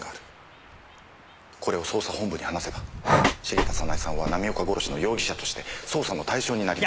これを捜査本部に話せば茂田早奈江さんは浪岡殺しの容疑者として捜査の対象になります。